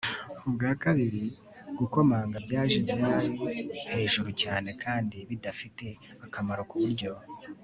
ubwa kabiri gukomanga byaje byari hejuru cyane kandi bidafite akamaro kuburyo